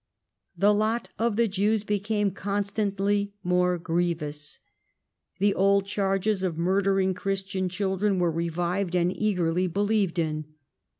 The lot of the Jews became constantly more grievous. The old charges of murdering Christian children were revived and eagerly believed in.